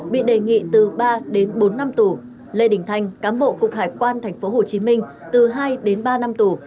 bị đề nghị từ ba đến bốn năm tù lê đình thanh cám bộ cục hải quan tp hcm từ hai đến ba năm tù